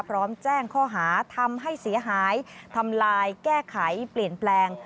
พร้อมแจ้งข้อหาทำให้เสียหายทำลายแก้ไขเปลี่ยนแปลง